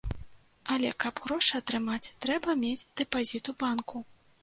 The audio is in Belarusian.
Але каб грошы атрымаць, трэба мець дэпазіт у банку.